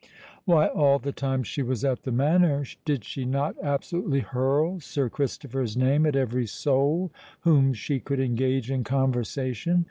Why, all the time she was at the Manor, did she not absolutely hurl Sir Christopher's name at every soul whom she could engage in conversation?